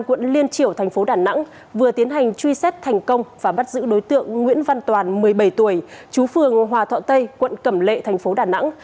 công an liên triểu tp đà nẵng vừa tiến hành truy xét thành công và bắt giữ đối tượng nguyễn văn toàn một mươi bảy tuổi chú phường hòa thọ tây quận cẩm lệ tp đà nẵng